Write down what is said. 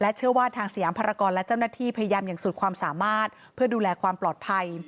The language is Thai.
เชื่อว่าทางสยามภารกรและเจ้าหน้าที่พยายามอย่างสุดความสามารถเพื่อดูแลความปลอดภัย